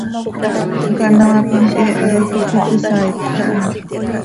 Canoaa com he hai cop iiqui saaipj caha.